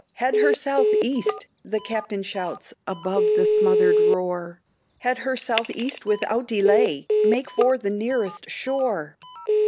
"Head her south east!" the captain shouts, Above the smothered roar, "Head her south east without delay! Make for the nearest shore!"